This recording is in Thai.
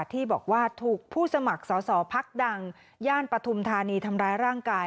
ที่บอกว่าถูกผู้สมัครสอสอพักดังย่านปฐุมธานีทำร้ายร่างกาย